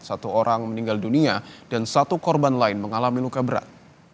satu orang meninggal dunia dan satu korban lain mengalami luka berat